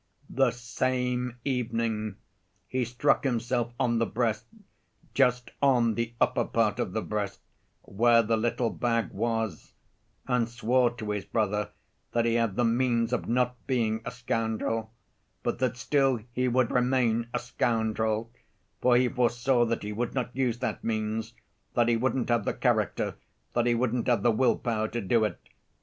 "The same evening he struck himself on the breast, just on the upper part of the breast where the little bag was, and swore to his brother that he had the means of not being a scoundrel, but that still he would remain a scoundrel, for he foresaw that he would not use that means, that he wouldn't have the character, that he wouldn't have the will‐power to do it.